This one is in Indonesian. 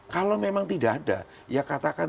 kalau memang tidak ada ya katakan